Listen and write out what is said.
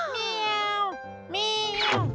เมียวเมียว